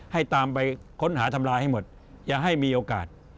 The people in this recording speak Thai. ให้ตามไปค้นหาทำลายให้หมดอย่าให้มีโอกาส